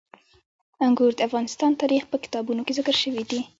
انګور د افغان تاریخ په کتابونو کې ذکر شوي دي.